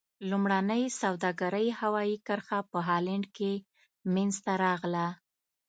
لومړنۍ سوداګرۍ هوایي کرښه په هالند کې منځته راغله.